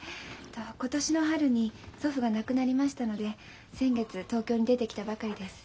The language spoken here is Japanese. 今年の春に祖父が亡くなりましたので先月東京に出てきたばかりです。